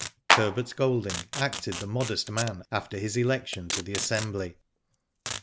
Herbert Golding acted the modest man after his election to the Assembly.